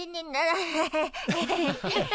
アハハハ。